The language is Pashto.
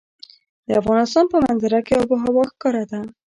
د افغانستان په منظره کې آب وهوا ښکاره ده.